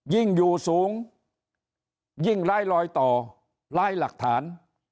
ยิ่งอยู่สูงยิ่งไล่ลอยต่อไล่หลักฐาน